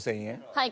はい。